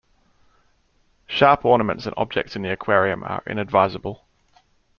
Sharp ornaments and objects in the aquarium are inadvisable.